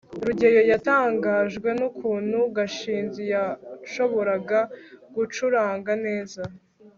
rugeyo yatangajwe n'ukuntu gashinzi yashoboraga gucuranga neza